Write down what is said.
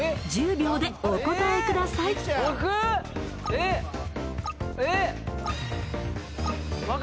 １０秒でお答えください僕？